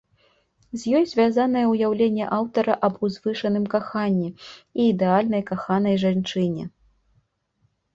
З ёй звязанае ўяўленне аўтара аб узвышаным каханні і ідэальнай каханай жанчыне.